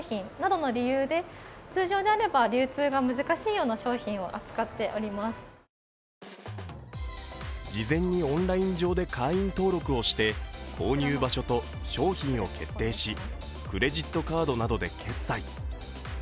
その訳は事前にオンライン上で会員登録をして購入場所と商品を決定し、クレジットカードなどで決済。